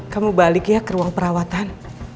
kamu balik ya ke ruang perawatan